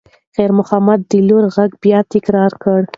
خیر محمد د لور غږ بیا تکرار کړ.